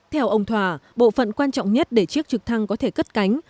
theo ông thỏa bộ phận quan trọng nhất để chiếc trực thăng có thể cất cánh